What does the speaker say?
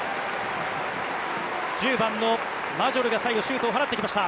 １０番のマジョルが最後シュートを放ってきました。